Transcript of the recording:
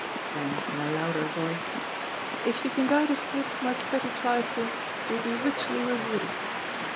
Then, in a louder voice, "If you can guide us to it, my pretty trifle, you'll be richly rewarded."